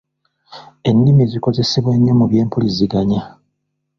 Ennimi zikozesebwa nnyo mu byempuliziganya.